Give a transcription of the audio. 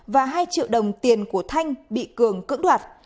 và hai triệu đồng tiền của thanh bị cường cưỡng đoạt